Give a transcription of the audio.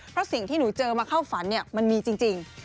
เพราะสิ่งที่หนูเจอมาเข้าฝันมันมีจริง